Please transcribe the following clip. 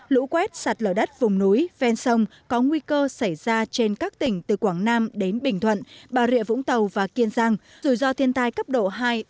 lũ quét sạt lở đất vùng núi ven sông có nguy cơ xảy ra trên các tỉnh từ quảng nam đến bình thuận bà rịa vũng tàu và kiên giang rủi ro thiên tai cấp độ hai ba